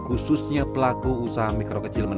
khususnya pelaku usaha mikro kecil